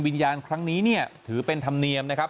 วิญญาณครั้งนี้เนี่ยถือเป็นธรรมเนียมนะครับ